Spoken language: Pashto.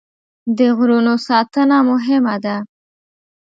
د غرونو ساتنه مهمه ده.